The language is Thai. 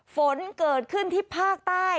ฝนเกิดขึ้นที่ภาคใต้